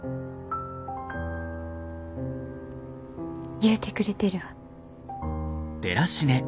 言うてくれてるわ。